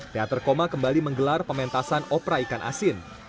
teater koma kembali menggelar pementasan opera ikan asin